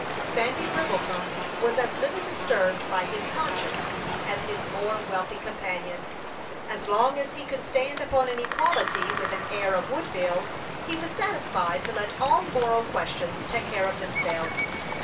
Sandy Brimblecom was as little disturbed by his conscience as his more wealthy companion. As long as he could stand upon an equality with an heir of Woodville, he was satisfied to let all moral questions take care of themselves.